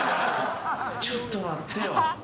ちょっと待ってよ。